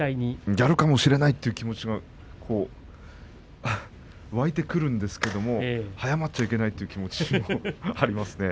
やるかもしれないという気持ちが湧いてくるんですけれども早まってしまってはいけないという気持ちもありますね。